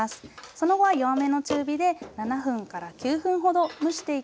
その後は弱めの中火で７分９分ほど蒸していきます。